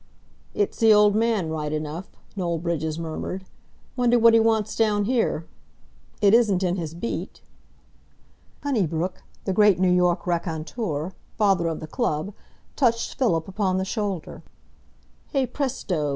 "It's the old man, right enough," Noel Bridges murmured. "Wonder what he wants down here? It isn't in his beat?" Honeybrook, the great New York raconteur, father of the club, touched Philip upon the shoulder. "Hey, presto!"